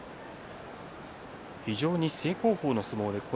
非常に正攻法の相撲でした。